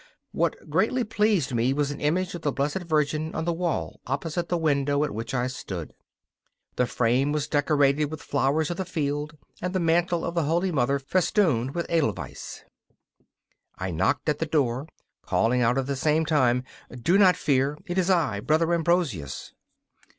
What greatly pleased me was an image of the Blessed Virgin on the wall opposite the window at which I stood. The frame was decorated with flowers of the field, and the mantle of the Holy Mother festooned with edelweiss. I knocked at the door, calling out at the same time: 'Do not fear; it is I Brother Ambrosius.